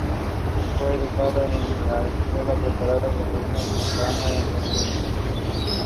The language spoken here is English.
Outside is spacious courtyards and smaller shrines.